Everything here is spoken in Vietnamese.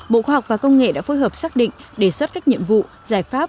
bộ khoa học và công nghệ đã phối hợp xác định đề xuất các nhiệm vụ giải pháp